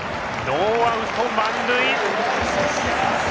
ノーアウト満塁。